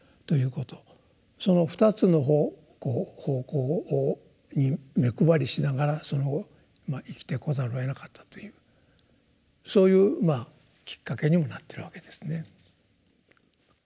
その２つの方向に目配りしながら生きてこざるをえなかったというそういうきっかけにもなってるわけですね。